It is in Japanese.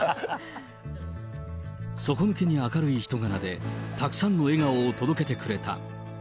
底抜けに明るい人柄で、たくさんの笑顔を届けてくれた。